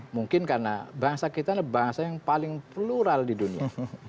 mungkin karena bangsa kita adalah bangsa yang paling plural di dunia